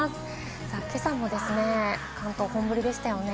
今朝も関東、本降りでしたよね。